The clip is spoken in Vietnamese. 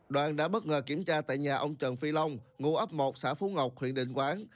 đoàn đã bất ngờ kiểm tra tại nhà ông trần phi long ngụ ấp một xã phú ngọc huyện định quán